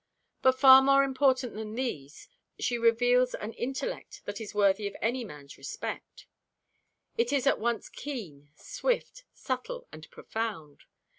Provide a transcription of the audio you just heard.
But far more important than these, she reveals an intellect that is worthy of any man's respect. It is at once keen, swift, subtle and profound.